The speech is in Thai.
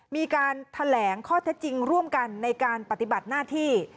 มีการแถลงข้อเท็จจริงร่วมกันในการปฏิบัติหน้าที่